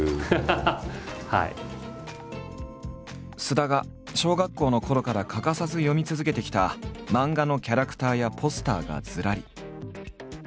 菅田が小学校のころから欠かさず読み続けてきた漫画のキャラクターやポスターがずらり。